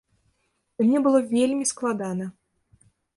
І мне было вельмі складана.